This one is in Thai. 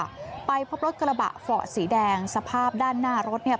ไปพบรถกระบะฟอร์ดสีแดงสภาพด้านหน้ารถเนี่ย